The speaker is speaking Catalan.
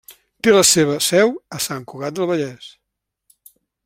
Té la seva seu a Sant Cugat del Vallès.